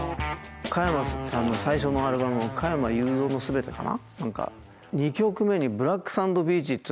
加山さんの最初のアルバム「加山雄三のすべて」かな。